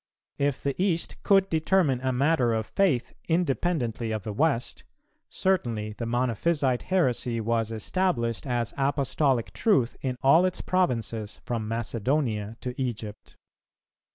If the East could determine a matter of faith independently of the West, certainly the Monophysite heresy was established as Apostolic truth in all its provinces from Macedonia to Egypt.